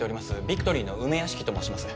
ビクトリーの梅屋敷と申します